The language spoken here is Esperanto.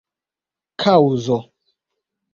kaŭzo